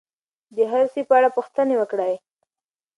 د هر سي په اړه پوښتنه وکړئ.